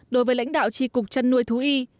đối với lãnh đạo tri cục chăn nuôi thú y